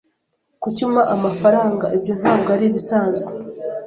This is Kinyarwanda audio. Kuki umpa amafaranga? Ibyo ntabwo ari ibisanzwe.